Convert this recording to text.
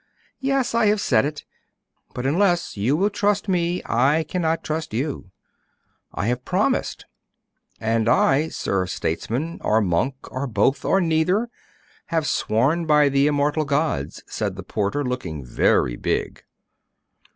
'Yes I have said it. But unless you will trust me, I cannot trust you.' 'I have promised.' 'And I, sir statesman, or monk, or both, or neither, have sworn by the immortal gods!' said the porter, looking very big.